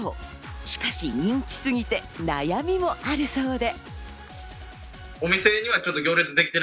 しかし人気すぎて、悩みもあるそうで。